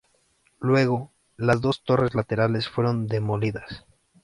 Luego, las dos torres laterales fueron demolidas.